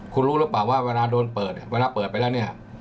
คุณรู้หรือเปล่าว่าเวลาโดนเปิดเนี่ยเวลาเปิดไปแล้วเนี่ย